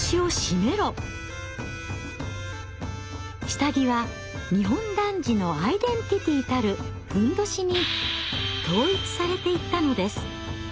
下着は日本男児のアイデンティティーたる褌に統一されていったのです。